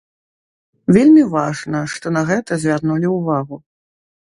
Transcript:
Вельмі важна, што на гэта звярнулі ўвагу.